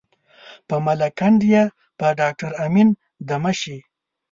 په ملاکنډ یې په ډاکټر امن دمه شي.